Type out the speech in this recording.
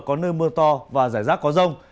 có nơi mưa to và rải rác có rông